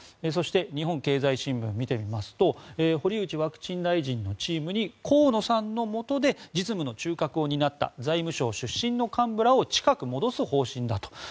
そして日本経済新聞を見てみますと堀内ワクチン大臣のチームに河野さんのもとで実務の中核を担った財務省出身の幹部らを近く戻す方針だと。